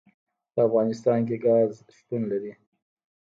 په افغانستان کې ګاز شتون لري.